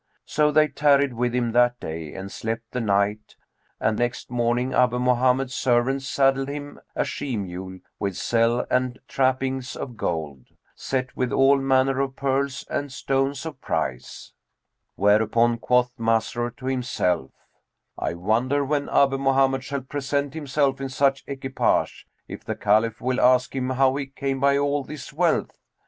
So they tarried with him that day and slept the night; and next morning Abu Mohammed's servants saddled him a she mule with selle and trappings of gold, set with all manner of pearls and stones of price; whereupon quoth Masrur to himself, "I wonder, when Abu Mohammed shall present himself in such equipage, if the Caliph will ask him how he came by all this wealth."